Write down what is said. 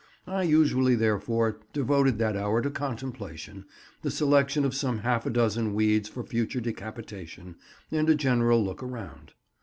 I usually, therefore, devoted that hour to contemplation, the selection of some half a dozen weeds for future decapitation, and a general look round.